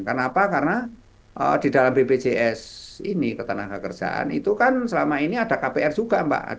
kenapa karena di dalam bpjs ini ketenaga kerjaan itu kan selama ini ada kpr juga mbak